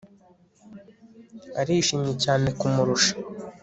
Arishimye cyane kumurusha